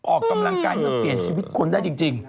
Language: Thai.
ออกกำลังกายเหมือนเปลี่ยนชีวิตคนได้จริง